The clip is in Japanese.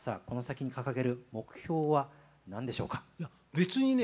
別にね